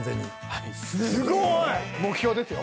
すごい！目標ですよ。